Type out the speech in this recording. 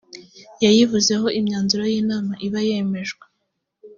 yayivuzeho imyanzuro y’inama iba yemejwe